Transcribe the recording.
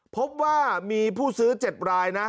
พบว่ามีผู้ซื้อ๗รายนะ